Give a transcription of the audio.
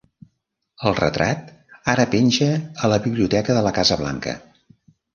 El retrat ara penja a la Biblioteca de la Casa Blanca.